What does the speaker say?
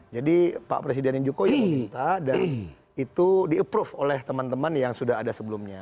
jadi pak presiden jokowi meminta dan itu di approve oleh teman teman yang sudah ada sebelumnya